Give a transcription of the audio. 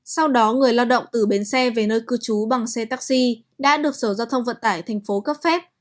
sau đó người lao động từ bến xe về nơi cư trú bằng xe taxi đã được sở giao thông vận tải thành phố cấp phép